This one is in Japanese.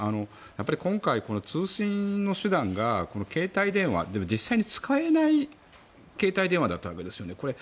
今回、この通信の手段が携帯電話実際に使えない携帯電話だったわけですよね。